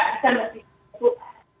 mangsa itu mampu secara finansial